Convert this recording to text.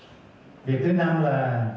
việc thứ năm là